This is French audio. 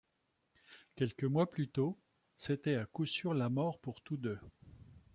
Quelques mois plus tôt, c’était à coup sûr la mort pour tous deux.